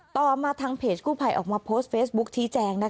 ต่อมาทางเพจกู้ภัยออกมาโพสต์เฟซบุ๊คชี้แจง